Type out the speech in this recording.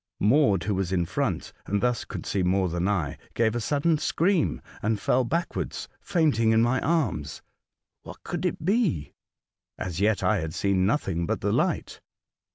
Maud, who was in front, and thus could see more than I, gave a sudden scream, and fell backwards fainting in my arms. What could it be ? As yet I had seen nothing but the light.